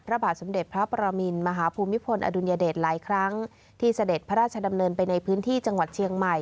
พระบาทสมเด็จพระปรมินมหาภูมิพลอดุลยเดชหลายครั้งที่เสด็จพระราชดำเนินไปในพื้นที่จังหวัดเชียงใหม่